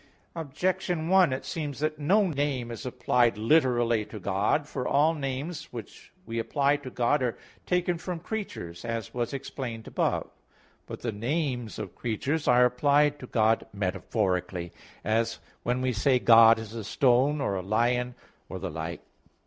Objection 1: It seems that no name is applied literally to God. For all names which we apply to God are taken from creatures; as was explained above (A. 1). But the names of creatures are applied to God metaphorically, as when we say, God is a stone, or a lion, or the like.